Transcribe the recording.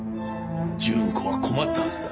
順子は困ったはずだ。